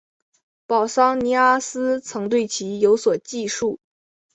保桑尼阿斯曾对其有所记述。